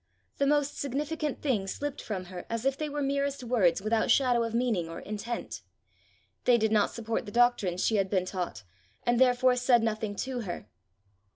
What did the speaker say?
The most significant things slipped from her as if they were merest words without shadow of meaning or intent: they did not support the doctrines she had been taught, and therefore said nothing to her.